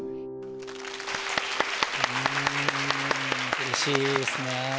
うれしいですねぇ。